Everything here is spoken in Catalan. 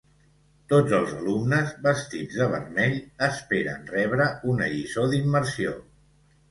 Tots els alumnes, vestits de vermell, esperen rebre una lliçó d'immersió.